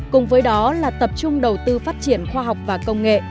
cùng với đó là tập trung đầu tư phát triển khoa học và công nghệ